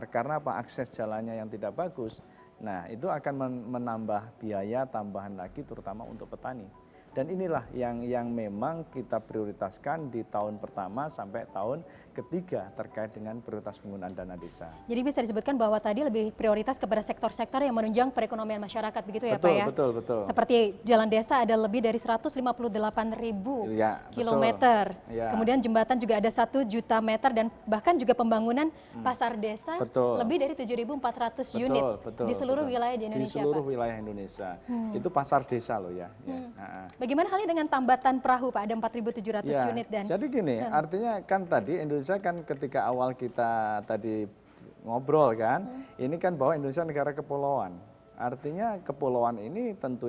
kejaksaan pun juga demikian